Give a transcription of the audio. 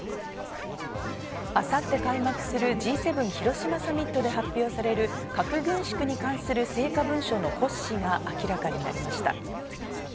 明後日、開幕するＧ７広島サミットで発表される核軍縮に関する成果文書の骨子が明らかになりました。